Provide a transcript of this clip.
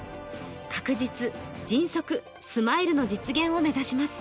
「確実・迅速・スマイル」の実現を目指します。